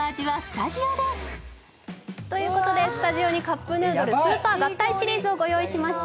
スタジオにカップヌードルスーパー合体シリーズをご用意しました。